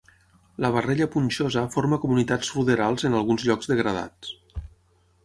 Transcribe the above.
La barrella punxosa forma comunitats ruderals en alguns llocs degradats.